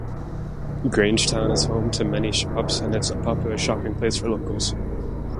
Grangetown is home to many shops and is a popular shopping place for locals.